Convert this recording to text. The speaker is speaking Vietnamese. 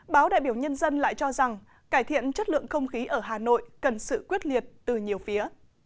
báo đại biểu nhân dân lại cho rằng cải thiện chất lượng không khí ở hà nội cần sự quyết liệt từ nhiều phía